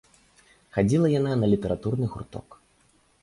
Хадзіла яна на літаратурны гурток.